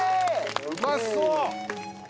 うまそう！